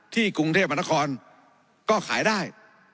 ที่กรุงเทพฯบรรทนครก็ขายได้